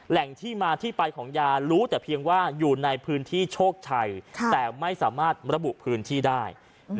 แหล่งที่มาที่ไปของยารู้แต่เพียงว่าอยู่ในพื้นที่โชคชัยแต่ไม่สามารถระบุพื้นที่ได้